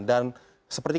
dan sepertik itu